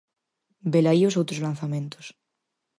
Velaí os outros lanzamentos.